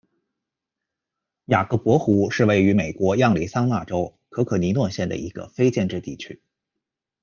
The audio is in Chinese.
雅各伯湖是位于美国亚利桑那州可可尼诺县的一个非建制地区。